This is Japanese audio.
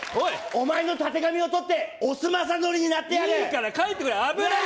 お前のたてがみを取ってオス雅紀になってやるいいから帰ってくれ危ない！